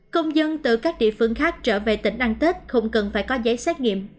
công dân từ các địa phương khác trở về tỉnh ăn tết không cần phải có giấy xét nghiệm